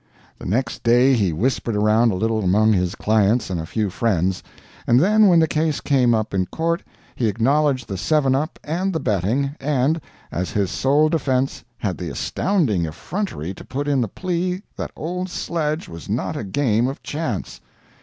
The next day he whispered around a little among his clients and a few friends, and then when the case came up in court he acknowledged the seven up and the betting, and, as his sole defense, had the astounding effrontery to put in the plea that old sledge was not a game of chance!